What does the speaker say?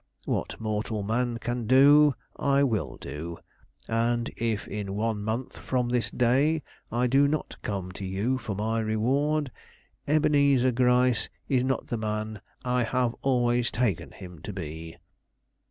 What mortal man can do, I will do, and if in one month from this day I do not come to you for my reward, Ebenezer Gryce is not the man I have always taken him to be."